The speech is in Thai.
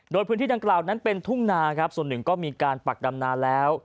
โดยพื้นที่ดังกล่าวนั้นเป็นทุ่งนาครับส่วนหนึ่งก็มีการปักดำนาแล้ว